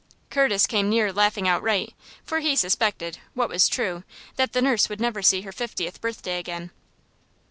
Curtis came near laughing outright, for he suspected what was true that the nurse would never see her fiftieth birthday again.